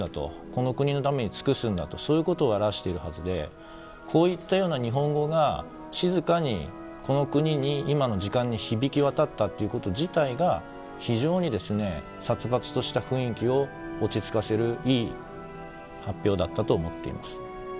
この国のために尽くすんだとそういうことを表しているはずでこういった日本語が静かにこの国に、今の時間に響き渡ったということ自体が非常に殺伐とした雰囲気を落ち着かせるいい発表だったと思っています。